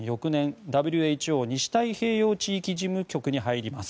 ＷＨＯ西太平洋地域事務局に入ります。